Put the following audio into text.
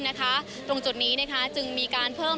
วันนี้จึงมีการเพิ่ม